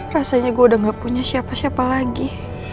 rasanya gue udah gak punya siapa siapa lagi